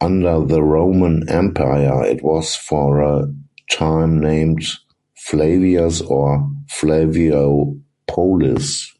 Under the Roman Empire, it was for a time named Flavias or Flaviopolis.